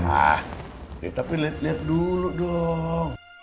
nah tapi lihat lihat dulu dong